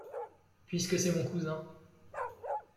Puisque c’est mon cousin.